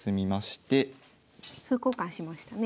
歩交換しましたね。